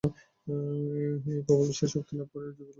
এই প্রবল ইচ্ছাশক্তি লাভ করাই যোগীর উদ্দেশ্য।